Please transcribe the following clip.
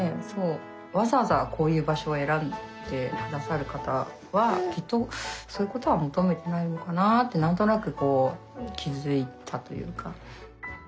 わざわざこういう場所を選んで下さる方はきっとそういうことは求めてないのかなって何となくこう気付いたというか。